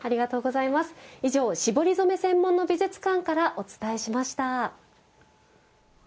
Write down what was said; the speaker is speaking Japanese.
以上、絞り染め専門の美術館からお伝えしました。